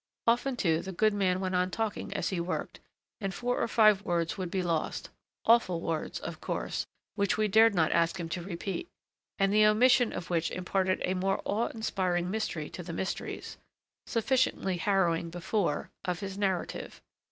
Often, too, the goodman went on talking as he worked; and four or five words would be lost: awful words, of course, which we dared not ask him to repeat, and the omission of which imparted a more awe inspiring mystery to the mysteries, sufficiently harrowing before, of his narrative.